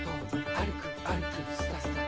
「あるくあるくスタスタと」